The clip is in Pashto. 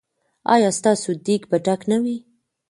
ایا ستاسو دیګ به ډک نه وي؟